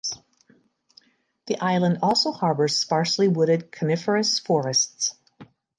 The island also harbors sparsely wooded coniferous forests.